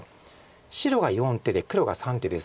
白が４手で黒が３手です。